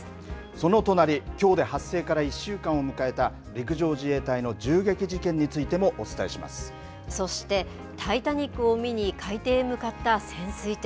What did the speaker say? その隣、きょうで発生から１週間を迎えた、陸上自衛隊の銃撃そしてタイタニックを見に、海底に向かった潜水艇。